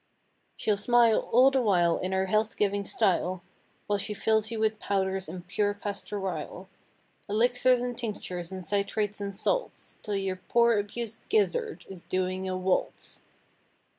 She'll smile all the while in her health giving style While she fills you with powders and pure castor "ile," Elixirs and tinctures and citrates and salts— 'Till your poor abused "gizzard" is doing a waltz.